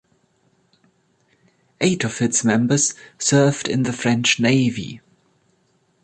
Eight of its members served in the French Navy.